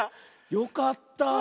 よかった。